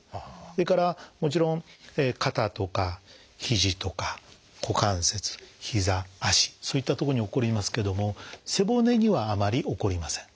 それからもちろん肩とかひじとか股関節ひざ足そういった所に起こりますけども背骨にはあまり起こりません。